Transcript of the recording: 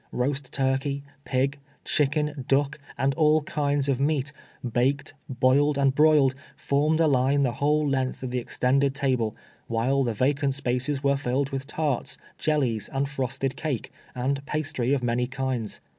Roast turkey, pig, chicken, duck, and all kinds of meat, baked, boiled, and broiled, formed a line the whole length of the extended table, while the vacant spaces were tilled with tarts, jellies, and frost ed cake, and pastry of many kinds.